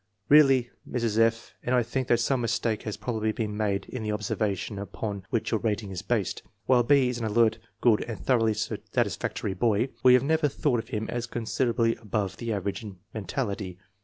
"Really Mrs. F. and I think that some mistake has probably been made in the observations upon which your rating is based. While B. is an alert, good and thoroughly satisfactory boy, we have never thought of him as considerably above the average in mentality.